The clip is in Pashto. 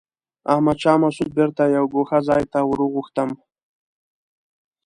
احمد شاه مسعود بېرته یوه ګوښه ځای ته ور وغوښتم.